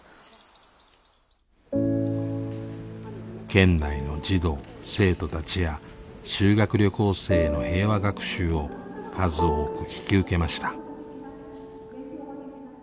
県内の児童生徒たちや修学旅行生への平和学習を数多く引き受けました。